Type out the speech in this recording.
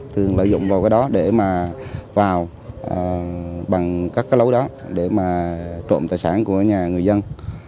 thường lợi dụng vào cái đó để mà vào bằng các cái lối đó để mà trộm tài sản của nhà người dân